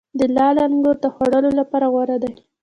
د لعل انګور د خوړلو لپاره غوره دي.